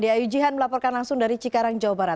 diayu jihan melaporkan langsung dari cikarang jawa barat